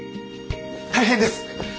大変です！